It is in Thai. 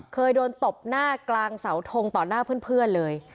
เคยโดนตบหน้ากลางเสาทงต่อหน้าเพื่อนเลย